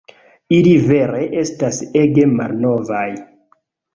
Ili vere estas ege malnovaj